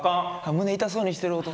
胸痛そうにしてる弟。